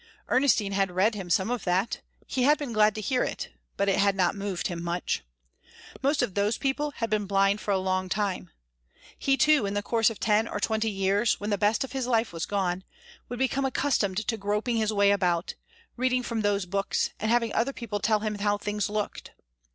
Ernestine had read him some of that; he had been glad to hear it, but it had not moved him much. Most of those people had been blind for a long time. He too, in the course of ten or twenty years, when the best of his life was gone, would become accustomed to groping his way about, reading from those books, and having other people tell him how things looked.